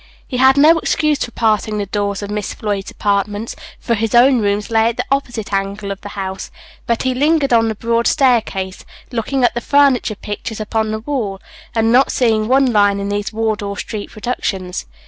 He had no excuse for passing the doors of Miss Floyd's apartments, for his own rooms lay at the opposite angle of the house; but he lingered on the broad staircase, looking at the furniture pictures upon the walls, and not seeing one line in these Wardour street productions.